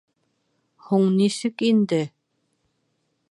Һуң нисек инде!